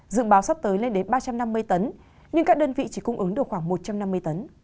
dự báo sắp tới lên đến ba trăm năm mươi tấn nhưng các đơn vị chỉ cung ứng được khoảng một trăm năm mươi tấn